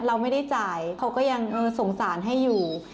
เราไม่ได้จ่ายเขาก็ยังสงสารให้อยู่